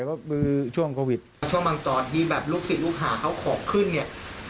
ก็คือช่วงโควิดแล้วช่วงบางตอนที่แบบลูกศิษย์ลูกหาเขาของขึ้นเนี่ย